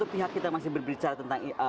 pihak kita masih berbicara tentang